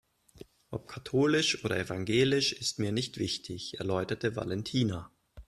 Ob katholisch oder evangelisch ist mir nicht wichtig, erläuterte Valentina.